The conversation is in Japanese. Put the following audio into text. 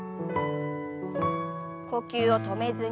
呼吸を止めずに。